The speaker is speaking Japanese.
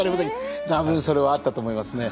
多分それはあったと思いますね。